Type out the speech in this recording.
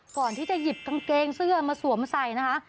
ก่อนที่จะหยิบกางเกงเสื้อมาสวมใส่นะคะ